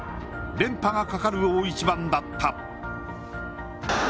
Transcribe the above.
連覇がかかる大一番だった。